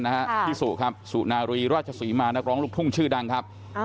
พี่สุครับสุนารีราชศรีมานักร้องลูกทุ่งชื่อดังครับ